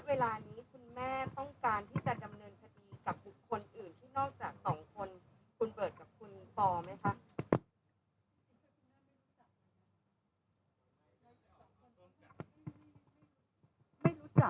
เวลานี้คุณแม่ต้องการที่จะดำเนินคดีกับบุคคลอื่นที่นอกจากสองคนคุณเบิร์ตกับคุณปอไหมคะ